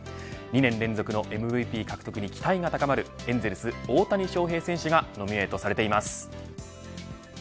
２年連続のＭＶＰ獲得に期待が高まるエンゼルスの大谷翔平選手がノミネートされています。